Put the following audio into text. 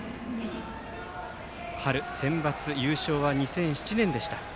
春センバツ優勝は２００７年でした。